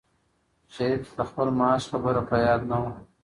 شریف ته د خپل معاش خبره په یاد نه وه.